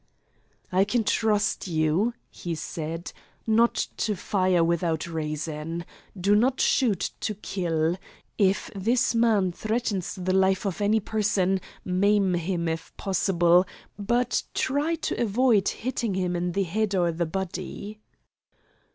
"I can trust you," he said, "not to fire without reason. Do not shoot to kill. If this man threatens the life of any person, maim him if possible, but try to avoid hitting him in the head or body."